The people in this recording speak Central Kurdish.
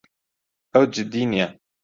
ئەو جددی نییە.